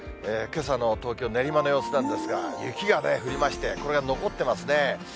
けさの東京・練馬の様子なんですが、雪がね、降りまして、これが残ってますね。